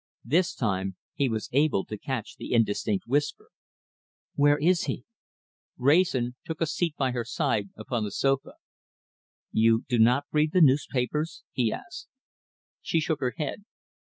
This time he was able to catch the indistinct whisper. "Where is he?" Wrayson took a seat by her side upon the sofa. "You do not read the newspapers?" he asked. She shook her head.